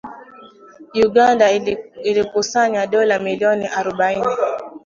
Uganda ilikusanya dola milioni arubaini